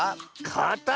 「かた」？